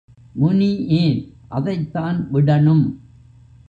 முனி ஏன், அதைத்தான் விடணும்.